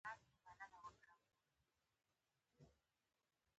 استغفار ویل د عذابونو د مخنیوي سبب کېږي.